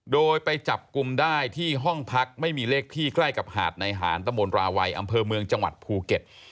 โดยไปจับกลุ่มได้ที่ห้องพักไม่มีเลขที่ใกล้กับหาดในหานตะมนตราวัยอำเภอเมืองจังหวัดภูเก็ต